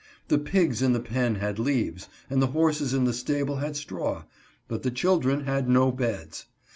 The pigs in the pen had leaves, and the horses in the stable had straw, but the children had no beds.